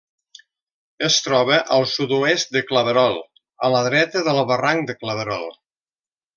Es troba al sud-oest de Claverol, a la dreta del barranc de Claverol.